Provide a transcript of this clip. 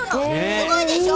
すごいでしょ？